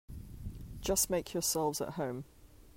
Just make yourselves at home.